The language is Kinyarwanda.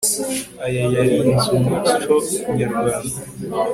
aya yarinze umuco nyarwanda